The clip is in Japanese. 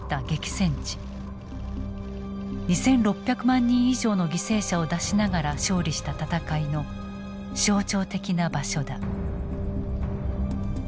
２，６００万人以上の犠牲者を出しながら勝利した戦いの象徴的な場所だ。